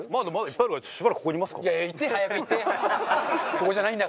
ここじゃないんだ。